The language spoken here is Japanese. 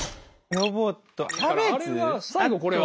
最後これは。